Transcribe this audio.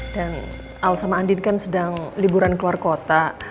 dan al sama andi kan sedang liburan keluar kota